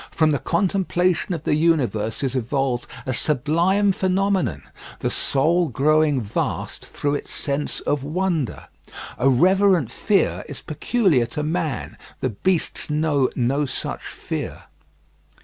From the contemplation of the universe is evolved a sublime phenomenon: the soul growing vast through its sense of wonder. A reverent fear is peculiar to man; the beasts know no such fear.